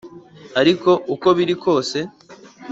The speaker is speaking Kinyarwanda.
ariko uko biri kose